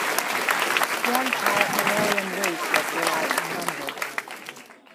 Spawn are an alien race that rely on numbers.